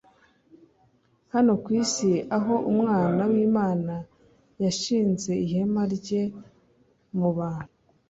Hano ku isi aho Umwana w'Imana yashinze ihema rye mu bantu,